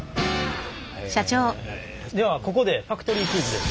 ではここでファクトリークイズです。